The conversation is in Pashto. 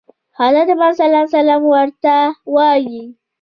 حضرت محمد ورته وايي.